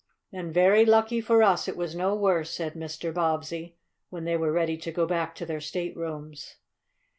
"And very lucky for us it was no worse," said Mr. Bobbsey, when they were ready to go back to their staterooms.